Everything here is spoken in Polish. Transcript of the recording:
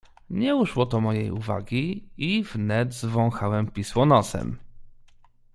"Nie uszło to mojej uwagi i wnet zwąchałem pismo nosem."